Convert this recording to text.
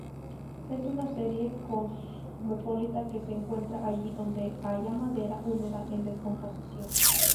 Es una especie cosmopolita que se encuentra allí donde haya madera húmeda en descomposición.